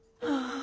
あっ！